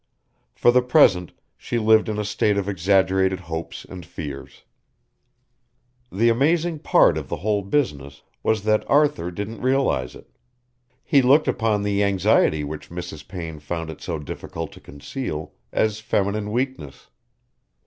For the present she lived in a state of exaggerated hopes and fears. The amazing part of the whole business was that Arthur didn't realise it. He looked upon the anxiety which Mrs. Payne found it so difficult to conceal as feminine weakness.